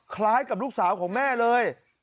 คล้ายกับลูกสาวของแม่เลย